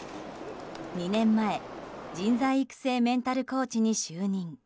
２年前人材育成メンタルコーチに就任。